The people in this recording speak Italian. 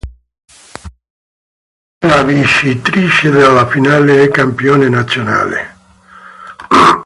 La vincitrice della finale è campione nazionale.